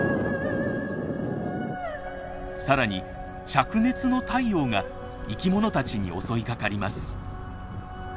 さらに灼熱の太陽が生きものたちに襲いかかります。